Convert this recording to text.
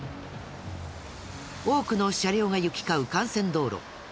多くの車両が行き交う幹線道路。